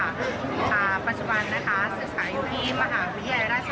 ค่ะก็จะจบแล้วใช่ไหมค่ะแล้วนาโก๊ตอยากจะทำอะไรค่ะเป็นอะไร